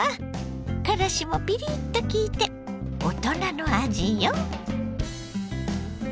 からしもピリッと効いて大人の味よ。